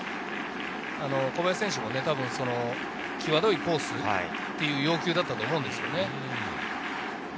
小林選手も多分、際どいコースという要求だったと思うんです。